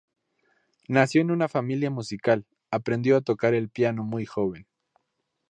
Nació en una familia musical, aprendió a tocar el piano muy joven.